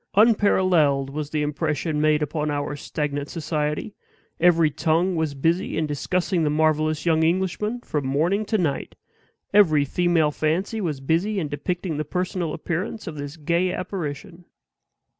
Unparalleled was the impression made upon our stagnant society; every tongue was busy in discussing the marvelous young Englishman from morning to night; every female fancy was busy in depicting the personal appearance of this gay apparition.